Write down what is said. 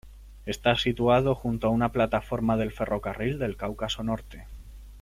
Está situado junto a una plataforma del ferrocarril del Cáucaso Norte